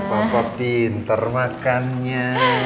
wah anak papa pinter makannya